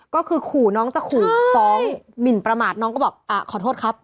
ก็คือขู่น้องจะขู่ฟ้องหมินประมาทน้องก็บอกขอโทษครับ